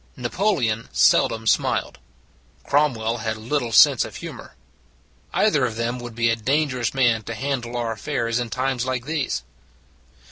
Napoleon seldom smiled; Cromwell had little sense of humor. Either of them would be a dangerous man to handle our affairs in times like these.